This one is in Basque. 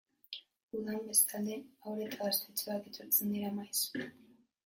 Udan, bestalde, haur eta gaztetxoak etortzen dira maiz.